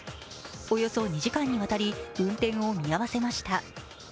およそ２時間にわたり運転を見合わせました。